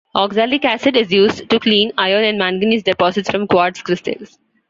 Oxalic acid is also used to clean iron and manganese deposits from quartz crystals.